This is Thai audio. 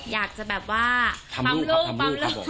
อยากจะแบบว่าทำลูกครับผม